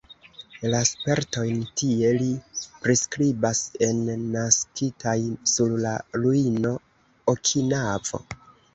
La spertojn tie li priskribas en "Naskitaj sur la ruino: Okinavo".